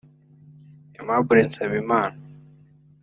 Aimable Nsabimana